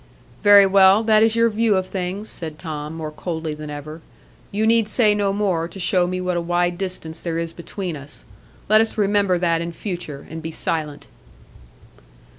"Very well; that is your view of things." said Tom, more coldly than ever; "you need say no more to show me what a wide distance there is between us. Let us remember that in future, and be silent."